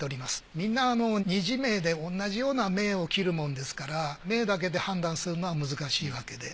みんな２字銘で同じような銘を切るもんですから銘だけで判断するのは難しいわけで。